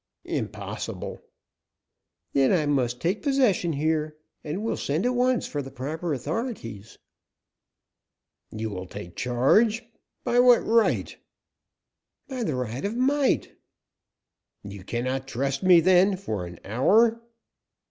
"Impossible." "Then I must take possession here, and will send at once for the proper authorities." "You will take charge? By what right?" "By the right of might." "You cannot trust me, then, an hour?"